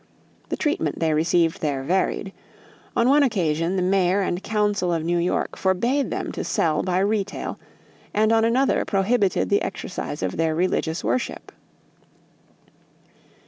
The treatment they received there varied. On one occasion the mayor and council of New York forbade them to sell by retail and on another prohibited the exercise of their religious worship.